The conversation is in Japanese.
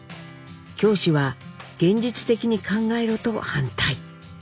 教師は現実的に考えろと反対。